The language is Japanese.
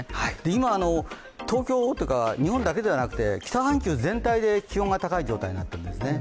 今、東京というか日本だけではなくて北半球全体で気温が高い状態になってるんですね。